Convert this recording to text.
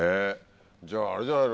じゃああれじゃないの？